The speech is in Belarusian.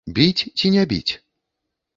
Біць ці не біць?